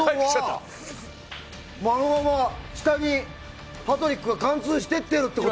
下にパトリックが貫通していってるってこと。